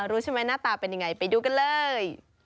รู้ใช่ไหมหน้าตาเป็นยังไงไปดูกันเลย